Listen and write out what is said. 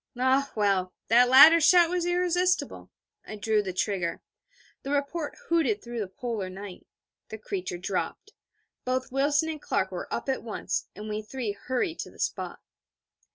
Ah well, that latter shout was irresistible. I drew the trigger. The report hooted through the Polar night. The creature dropped; both Wilson and Clark were up at once: and we three hurried to the spot.